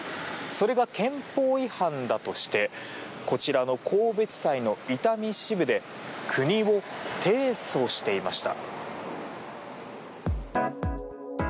それが憲法違反だとしてこちらの神戸地裁の伊丹支部で国を提訴していました。